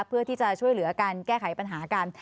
เพื่อที่จะช่วยเหลือการแก้ไขปัญหากัน